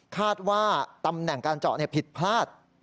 คาดว่าตำแหน่งการเจาะผิดพลาด